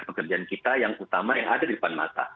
pekerjaan kita yang utama yang ada di depan mata